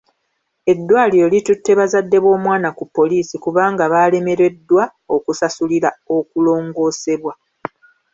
Eddwaliro litutte bazadde b'omwana ku poliisi kubanga baalemereddwa okusasulira okulongoosebwa.